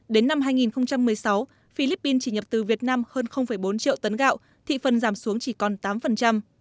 đến năm hai nghìn một mươi sáu philippines chỉ nhập từ việt nam hơn bốn triệu tấn gạo thị phần giảm xuống chỉ còn tám